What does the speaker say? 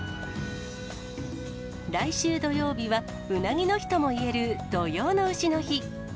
来週土曜日は、うなぎの日ともいえる土用のうしの日。